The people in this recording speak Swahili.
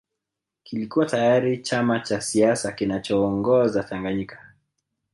kilikuwa tayari chama cha siasa kinachoongoza Tanganyika